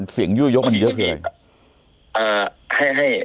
เสียงยั่วยุ้ยยุ้ยมันเยอะคืออะไร